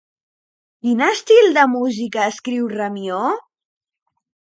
Quin estil de música escriu Ramió?